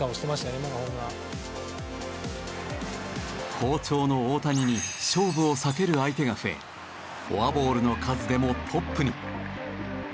好調の大谷に勝負を避ける相手が増えフォアボールの数でもトップに。